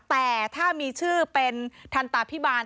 แต่ถ้ามีชื่อเป็นทันตาพิบาล